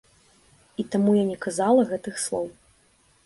І таму я не казала гэтых слоў.